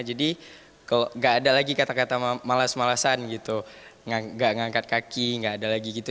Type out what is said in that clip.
jadi gak ada lagi kata kata malas malasan gitu gak ngangkat kaki gak ada lagi gitu